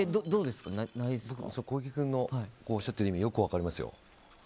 僕は小池君のおっしゃっている意味よく分かりますよ。